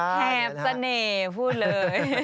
แทบเสน่ห์พูดเลย